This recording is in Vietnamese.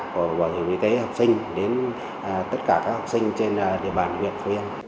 của bảo hiểm y tế học sinh đến tất cả các học sinh trên địa bàn huyện